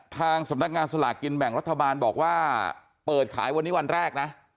ทางสำนักงานสลากกินแบ่งรัฐบาลบอกว่าเปิดขายวันนี้วันแรกนะ